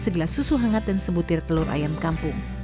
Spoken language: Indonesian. segelas susu hangat dan sebutir telur ayam kampung